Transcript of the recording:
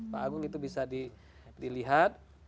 pak agung itu bisa dilihat